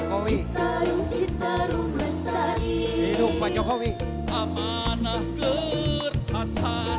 citarum citarum lestari